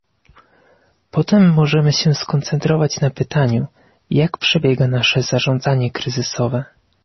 Potem możemy się skoncentrować na pytaniu, jak przebiega nasze zarządzanie kryzysowe